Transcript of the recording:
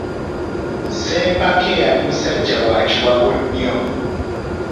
Ssempake yali musajja wa kiwago nnyo.